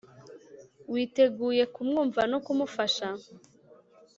witeguye kumwumva no kumufasha